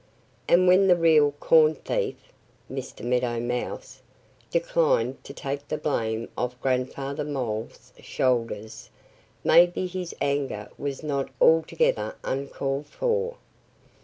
And when the real corn thief (Mr. Meadow Mouse) declined to take the blame off Grandfather Mole's shoulders maybe his anger was not altogether uncalled for.